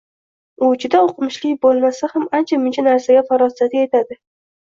U juda o‘qimishli bo‘lmasa ham ancha muncha narsaga farosati yetadi.